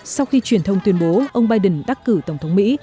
sau khi truyền thông tuyên bố ông biden đắc cử tổng thống mỹ